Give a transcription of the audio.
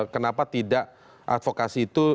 kenapa tidak advokasi itu